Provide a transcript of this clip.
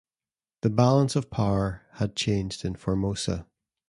The balance of power had changed in Formosa.